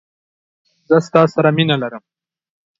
قشر مانند